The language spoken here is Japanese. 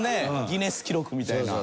ギネス記録みたいな。